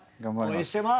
応援してます！